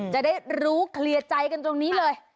จะได้รู้เคลียร์ใจกันตรงนี้เลย